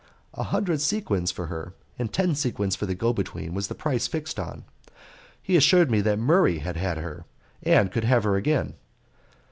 A hundred sequins for her and ten sequins for the go between was the price fixed on. He assured me that Murray had had her, and could have her again.